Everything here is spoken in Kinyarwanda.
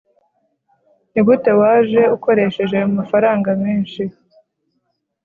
nigute waje ukoresheje ayo mafaranga menshi